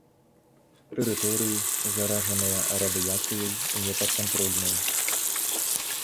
Тэрыторыі, заражаныя радыяцыяй, непадкантрольныя.